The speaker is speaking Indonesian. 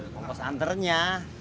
ya kompos anternya